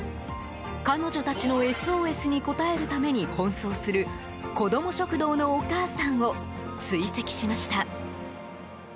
彼女たちのＳＯＳに応えるために奔走する子ども食堂のお母さんを追跡しました。